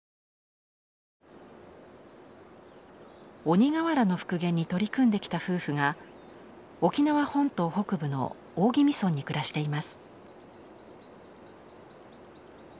鬼瓦の復元に取り組んできた夫婦が沖縄本島北部の大宜味村に暮らしています。